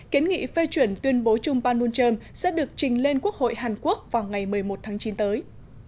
kiến nghị phê chuyển tuyên bố chung panmunjom sẽ được trình lên quốc hội hàn quốc vào ngày một mươi một tháng chín tới